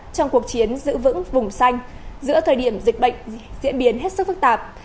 trong cuộc chiến giữ vững vùng xanh giữa thời điểm dịch bệnh diễn biến hết sức phức tạp